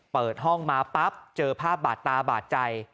เปิดห้องมาปั๊บเจอภาพบาดตาบาดใจ